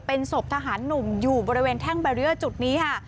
เป็นศพทหารหนุ่มอยู่บริเวณแท่งแบรียร์จุดนี้ค่ะ